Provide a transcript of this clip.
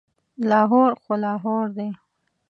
لاهور خو لاهور دی.